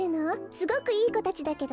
すごくいいこたちだけど。